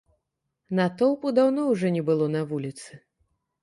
Натоўпу даўно ўжо не было на вуліцы.